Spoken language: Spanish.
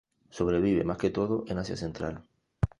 Sobrevive más que todo en Asia central.